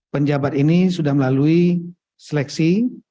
penjabat ini sudah melalui seleksi